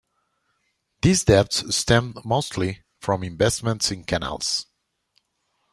These debts stemmed mostly from investments in canals.